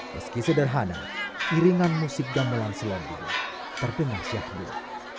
meski sederhana iringan musik gamelan selondi terdengar siapnya